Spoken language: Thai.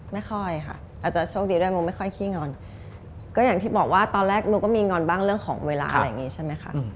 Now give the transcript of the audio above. ไม่ค่อยค่ะอาจจะโชคดีด้วยโมไม่ค่อยขี้งอนก็อย่างที่บอกว่าตอนแรกโมก็มีงอนบ้างเรื่องของเวลาอะไรอย่างนี้ใช่ไหมคะ